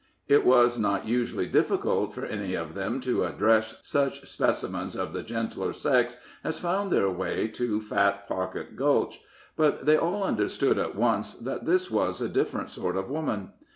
It was not usually difficult for any of them to address such specimens of the gentler sex as found their way to Fat Pocket Gulch, but they all understood at once that this was a different sort of woman.